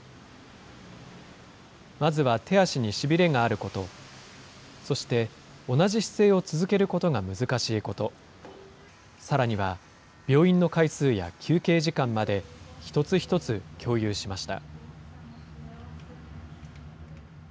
まずは手足にしびれがあること、そして、同じ姿勢を続けることが難しいこと、さらには病院の回数や休憩時間まで、一つ一つ共有しました。